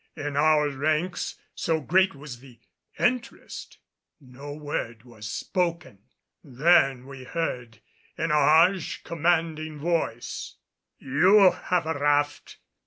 In our ranks, so great was the interest, no word was spoken. Then we heard in a harsh, commanding voice, "You have a raft.